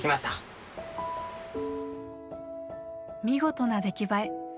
見事な出来栄え！